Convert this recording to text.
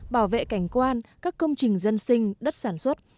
bảo vệ cảnh quan các công trình dân sinh đất sản xuất